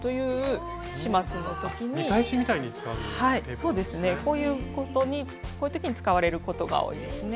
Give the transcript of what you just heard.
そうですねこういう時に使われることが多いですね。